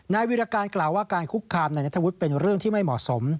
วิราการกล่าวว่าการคุกคามนายนัทวุฒิเป็นเรื่องที่ไม่เหมาะสม